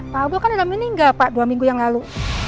pak abul kan sudah meninggal pak dua minggu yang lalu